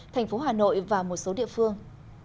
thành phố hà nội và một số địa phương